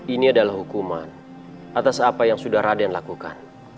ini adalah hukuman atas apa yang sudah raden lakukan